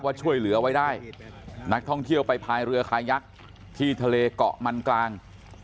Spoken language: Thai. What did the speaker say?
ช่วยเหลือไว้ได้นักท่องเที่ยวไปพายเรือคายักษ์ที่ทะเลเกาะมันกลาง